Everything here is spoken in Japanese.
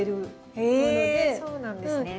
へえそうなんですね。